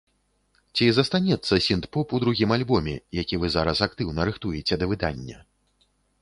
Ці застанецца сінт-поп у другім альбоме, які вы зараз актыўна рыхтуеце да выдання?